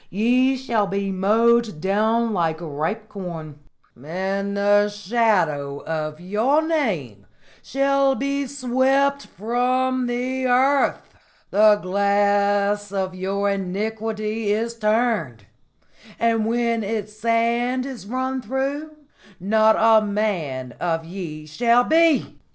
Ye shall be mowed down like ripe corn, and the shadow of your name shall be swept from the earth! The glass of your iniquity is turned, and when its sand is run through, not a man of ye shall be!"